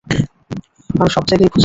আমি সব জায়গায় খুজেছি।